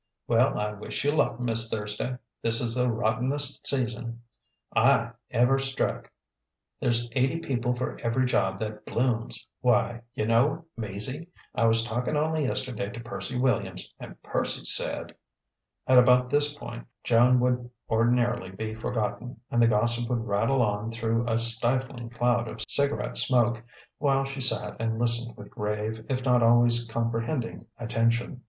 "Well, I wish you luck, Miss Thursday. This is the rottenest season I ever struck. There's eighty people for every job that blooms. Why, yunno, Maizie, I was talking only yesterday to Percy Williams, and Percy said " At about this point Joan would ordinarily be forgotten, and the gossip would rattle on through a stifling cloud of cigarette smoke, while she sat and listened with grave, if not always comprehending, attention.